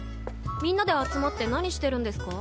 みんなで集まって何してるんですか？